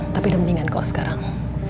tapi udah mendingan kok sekarang